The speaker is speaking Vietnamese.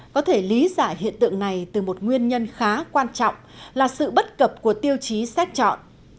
có thể lý giải hiện tượng này từ một nguyên nhân khá quan trọng là sự bất cập của tiêu chí xét chọn